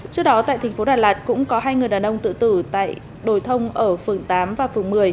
trước đó tại thành phố đà lạt cũng có hai người đàn ông tự tử tại đồi thông ở phường tám và phường một mươi